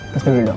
kasih dulu dong